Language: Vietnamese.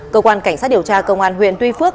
cơ quan cảnh sát điều tra công an huyện tuy phước